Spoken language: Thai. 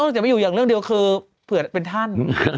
จะไม่อยู่อย่างเรื่องเขานึกว่าต้องเป็นท่าน